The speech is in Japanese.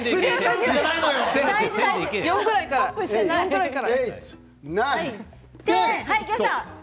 ４ぐらいから。